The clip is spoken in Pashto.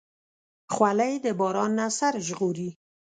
خولۍ د باران نه سر ژغوري.